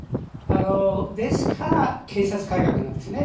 ですから、検察改革なんですね。